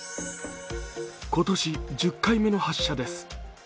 今年１０回目の発射です。